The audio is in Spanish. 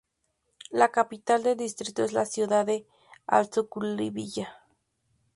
La capital del distrito es la ciudad de Al-Suqeilabiya.